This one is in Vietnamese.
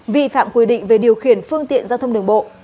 vi phạm quy định về điều khiển phương tiện giao thông đường bộ